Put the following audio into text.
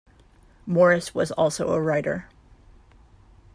Morris was also a writer.